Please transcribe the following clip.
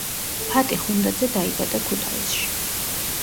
ფატი ხუნდაძე დაიბადა ქუთაისში.